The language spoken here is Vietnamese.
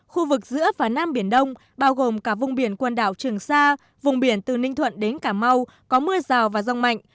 khu vực giữa và nam biển đông bao gồm cả vùng biển quần đảo trường sa vùng biển từ ninh thuận đến cà mau có mưa rào và rông mạnh